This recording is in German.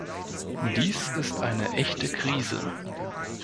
Dies ist eine echte Krise.